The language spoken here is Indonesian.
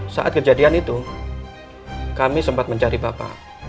saat kejadian itu kami sempat mencari bapak